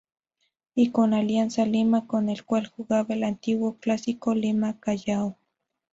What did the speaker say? Y con Alianza Lima con el cual jugaba el antiguo clásico Lima-Callao.